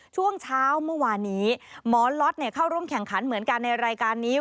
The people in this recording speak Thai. ช่วงเช้าเมื่อวานนี้หมอล็อตเข้าร่วมแข่งขันเหมือนกันในรายการนี้